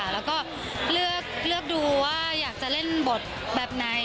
แล้วก็เลือกดูว่าอยากจะเล่นบทแบบไหน